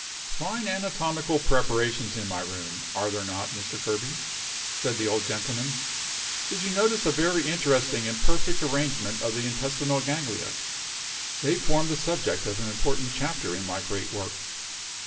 "Fine anatomical preparations in my room, are there not, Mr. Kerby?" said the old gentleman. "Did you notice a very interesting and perfect arrangement of the intestinal ganglia? They form the subject of an important chapter in my great work."